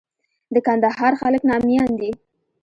د کندهار خلک ناميان دي.